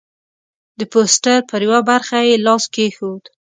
د پوسټر پر یوه برخه یې لاس کېښود.